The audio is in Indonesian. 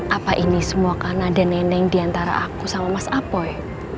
apa ini semua karena ada neneng diantara aku sama mas apoy